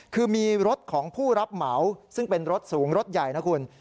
คือมีรถของผู้รับเหมาซึ่งเป็นรถสูงรถใหญ่นะคุณ